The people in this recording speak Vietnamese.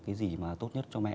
cái gì mà tốt nhất cho mẹ